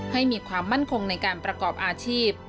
ให้มีความมั่นคงในการประกอบอาชีพ